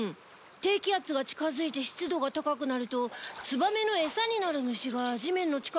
低気圧が近づいて湿度が高くなるとツバメのエサになる虫が地面の近くを飛ぶから。